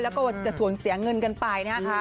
แล้วก็จะสูญเสียเงินกันไปนะครับ